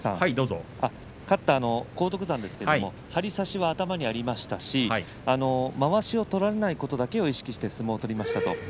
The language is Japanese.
勝った荒篤山ですけれども張り差しは頭にありましたしまわしを取られないことだけを意識して相撲を取りました。